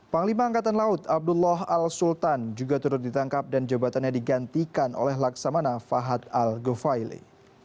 panglima angkatan laut abdullah al sultan juga turut ditangkap dan jabatannya digantikan oleh laksamana fahad al ghafaile